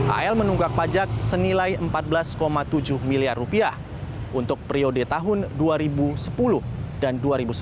al menunggak pajak senilai rp empat belas tujuh miliar rupiah untuk periode tahun dua ribu sepuluh dan dua ribu sepuluh